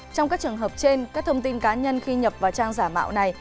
trong các trường hợp trên các thông tin cá nhân khi nhập vào trang giả mạo này